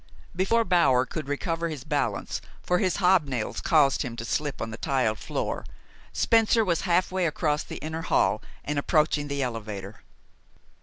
Before Bower could recover his balance, for his hobnails caused him to slip on the tiled floor, Spencer was halfway across the inner hall, and approaching the elevator.